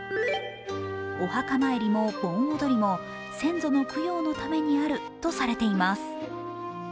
お墓参りも盆踊りも先祖の供養のためにあるとされています。